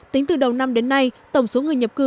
tính từ đầu năm đến nay tổng số người nhập cư